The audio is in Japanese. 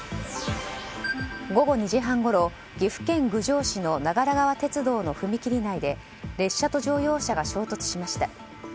午後２時半ごろ、岐阜県郡上市の長良川鉄道の踏切内で列車と乗用車が衝突しました。